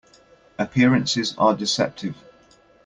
Appearances are deceptive.